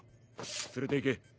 連れて行け。